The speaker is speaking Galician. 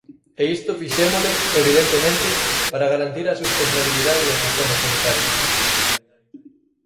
E isto fixémolo, evidentemente, para garantir a sustentabilidade do sistema sanitario.